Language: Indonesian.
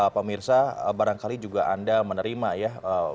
pemirsa barangkali juga anda menerima ya